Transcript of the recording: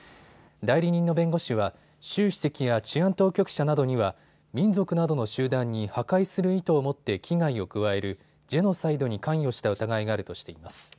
代理人の弁護士は習主席や治安当局者などには民族などの集団に破壊する意図を持って危害を加えるジェノサイドに関与した疑いがあるとしています。